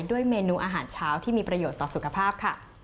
ด้วยเมนูอาหารเช้าที่มีประโยชน์ต่อสุขภาพค่ะ